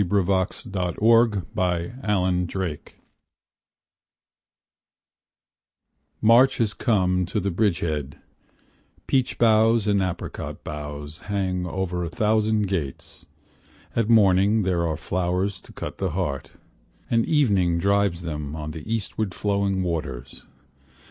83 Poem by the Bridge at Ten Shin MARCH has come to the bridge head, Peach boughs and apricot boughs hang over a thousand gates, At morning there are flowers to cut the heart, And evening drives them on the eastward flowing waters.